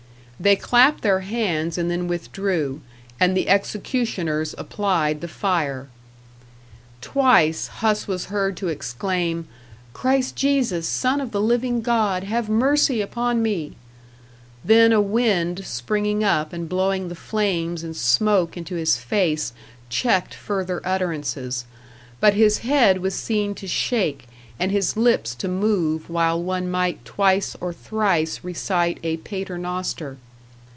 They clapped their hands and then withdrew, and the executioners applied the fire. Twice Huss was heard to exclaim, "Christ Jesus, Son of the living God, have mercy upon me!" then a wind springing up and blowing the flames and smoke into his face checked further utterances, but his head was seen to shake and his lips to move while one might twice or thrice recite a paternoster.